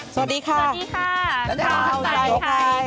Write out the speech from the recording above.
สวัสดีค่ะดังนั้นข้าวใจไทยสวัสดีค่ะ